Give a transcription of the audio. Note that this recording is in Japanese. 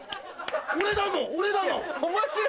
俺だもん俺だもん。